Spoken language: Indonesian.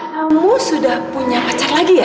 kamu sudah punya pacar lagi ya